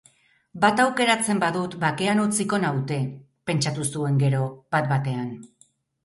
Bat aukeratzen badut bakean utziko naute, pentsatu zuen gero, bat-batean.